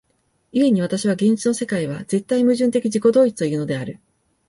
故に私は現実の世界は絶対矛盾的自己同一というのである。